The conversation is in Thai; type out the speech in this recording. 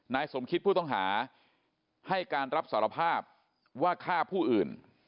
นายสมคิตผู้ต้องหาให้การรับสารภาพว่าฆ่าผู้อื่น